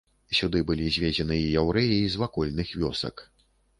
Сюды былі звезены і яўрэі з вакольных вёсак.